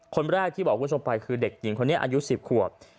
คนแรกที่บอกคุณผู้ชมไปคือเด็กหญิงคนนี้อายุ๑๐ขวบ